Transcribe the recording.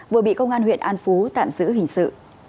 vừa bị công an huyện an phú tạm giữ hình sự